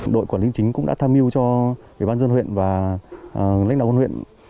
đội quản lý chính cũng đã tham mưu cho ủy ban dân huyện và lãnh đạo con huyện